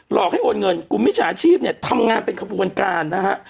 อกให้โอนเงินกลุ่มมิจฉาชีพเนี่ยทำงานเป็นขบวนการนะฮะ